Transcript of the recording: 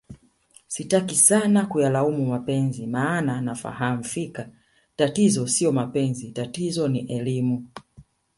sitaki sana kuyalaumu mapenzi maana nafahamu fika tatizo sio mapenzi tatizo ni elimu